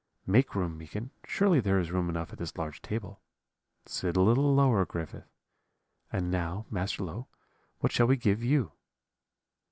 Make room, Meekin. Surely there is room enough at this large table? Sit a little lower, Griffith; and now, Master Low, what shall we give you?'